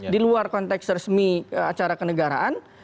di luar konteks resmi acara kenegaraan